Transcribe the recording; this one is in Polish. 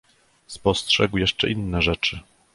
"Spostrzegł jeszcze inne rzeczy."